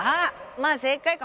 まあ正解か。